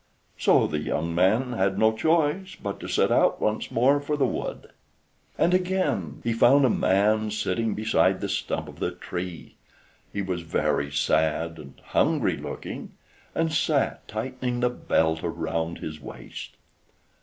So the young man had no choice but to set out once more for the wood. And again he found a man sitting beside the stump of the tree. He was very sad and hungry looking, and sat tightening the belt round his waist.